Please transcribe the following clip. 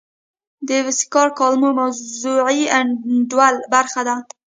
د بېکسیار کالمونه موضوعي انډول برخه دي.